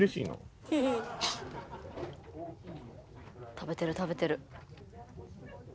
食べてる食べてる。